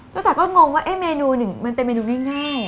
เจ้าจ๋าก็งงว่าเมนูหนึ่งมันเป็นเมนูง่าย